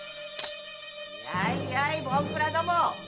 やいやいボンクラども！